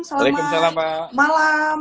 assalamualaikum selamat malam